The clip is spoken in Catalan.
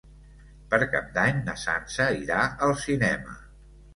Per Cap d'Any na Sança irà al cinema.